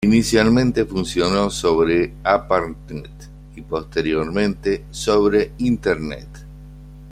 Inicialmente funcionó sobre Arpanet y posteriormente sobre internet.